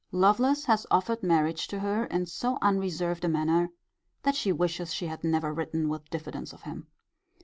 Lovelace has offered marriage to her in so unreserved a manner, that she wishes she had never written with diffidence of him.